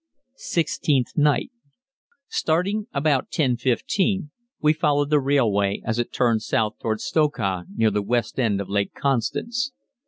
Sixteenth Night. Starting about 10.15 we followed the railway as it turned south towards Stokach near the west end of Lake Constance.